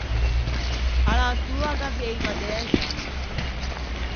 Alantoa gh’aveiva dex’anni.